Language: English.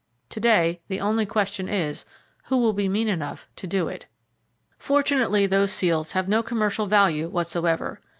To day the only question is, Who will be mean enough to do it? Fortunately, those seals have no commercial value whatsoever.